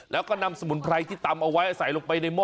แล้วก็นำสมุนไพรที่ตำเอาไว้ใส่ลงไปในห้อ